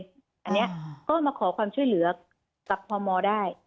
อันนี้ก็มาขอความช่วยเหลือกับพมได้